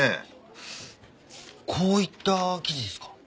こういった記事ですか？